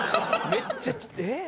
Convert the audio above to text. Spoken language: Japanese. めっちゃえっ？